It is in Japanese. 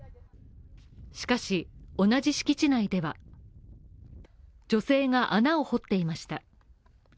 しかし、同じ敷地内では女性が穴を掘っていました。